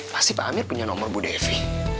pasti pak amir punya nomor bu devi